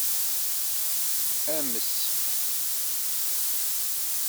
Ames.